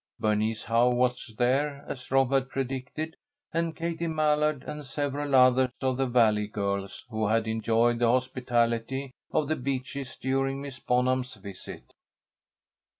Bernice Howe was there, as Rob had predicted, and Katie Mallard and several other of the Valley girls who had enjoyed the hospitality of The Beeches during Miss Bonham's visit.